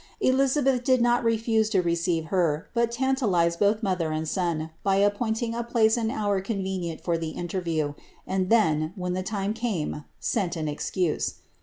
Elizabeth did not refuse to receive her, but tantalized both mother and son by appoint ing a place and hour convenient for the interview, and then, when the 'Camden. •IVAd. 160 BLIZABEIII. lime came, seni an escnse.